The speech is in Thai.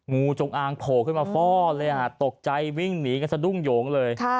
งูจงอางโผล่ขึ้นมาฟ่อเลยตกใจวิ่งหนีกันสะดุ้งโยงเลย